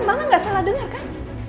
mbak mbak gak salah denger kan